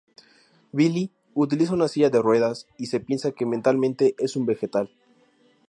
Billy utiliza una silla de ruedas y se piensa que mentalmente es un vegetal.